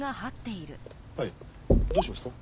はいどうしました？